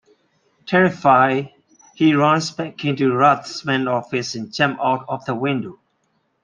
Terrified, he runs back into Rathmann's office and jumps out of the window.